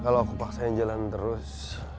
kalau aku paksain jalan terus